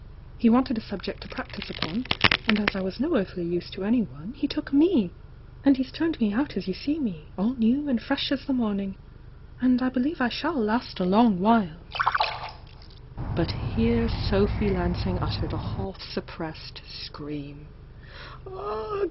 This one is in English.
He wanted a subject to practise upon, —and as I was no earthly use to anyone, he took me! And he's turned me out as you see me— all new and fresh as the morning! And I believe I shall last a long while!" m 828 THE YOUNG DIANA But here Sophy Lansing uttered a half suppreesed scream.